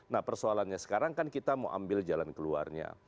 nah persoalannya sekarang kan kita mau ambil jalan keluarnya